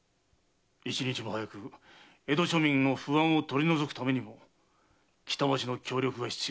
一日も早く江戸庶民の不安を取り除くためにも北町の協力が必要である。